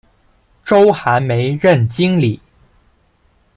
周寒梅任经理。